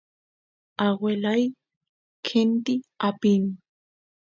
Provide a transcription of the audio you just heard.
aguelay qenti apin